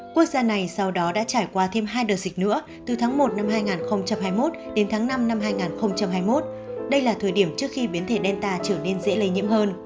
quốc gia này sau đó đã trải qua thêm hai đợt dịch nữa từ tháng một năm hai nghìn hai mươi một đến tháng năm năm hai nghìn hai mươi một đây là thời điểm trước khi biến thể delta trở nên dễ lây nhiễm hơn